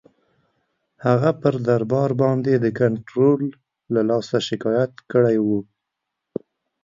هغه پر دربار باندي د کنټرول له لاسه شکایت کړی وو.